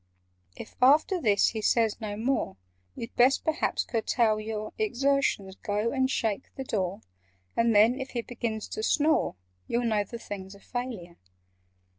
"If after this he says no more, You'd best perhaps curtail your Exertions—go and shake the door, And then, if he begins to snore, You'll know the thing's a failure.